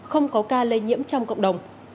không có ca lây nhiễm trong cộng đồng